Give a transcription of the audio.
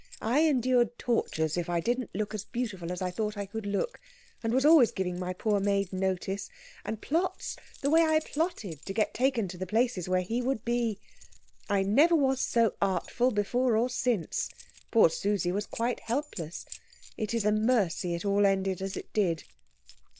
I endured tortures if I didn't look as beautiful as I thought I could look, and was always giving my poor maid notice. And plots the way I plotted to get taken to the places where he would be! I never was so artful before or since. Poor Susie was quite helpless. It is a mercy it all ended as it did."